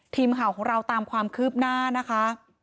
ทีมข่าวของเราตามความคืบหน้านะคะ